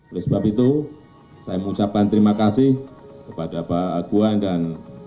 oleh sebab itu saya mengucapkan terima kasih kepada pak aguan dan